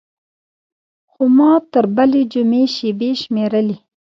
خو ما تر بلې جمعې شېبې شمېرلې.